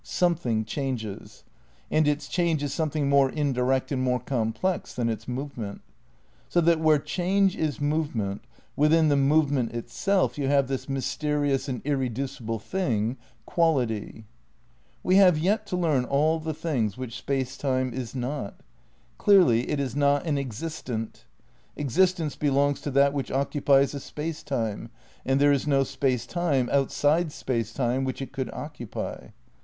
Something changes ; and its change is some thing more indirect and more complex than its move ment. So that where change is movement, within the movement itself you have this mysterious and irre ducible thing, quality. We have yet to learn all the things which Space Time is not. Clearly it is not an existent. '' Existence belongs to that which occupies a Space Time"; and there is no Space Time outside Space Time which it could occupy.